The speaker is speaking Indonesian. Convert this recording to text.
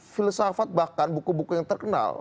filsafat bahkan buku buku yang terkenal